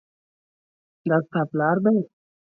دا ستا پلار دی؟